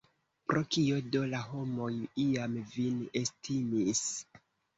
Pro kio do la homoj iam vin estimis?